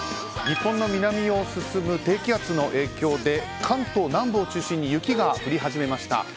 日本の南を進む低気圧の影響で関東南部を中心に雪が降り始めました。